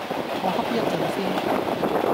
我瞌一陣先